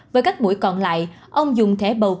với các mũi còn lại ông dùng thẻ bầu cử